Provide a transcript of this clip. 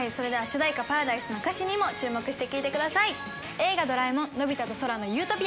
『映画ドラえもんのび太と空の理想郷』。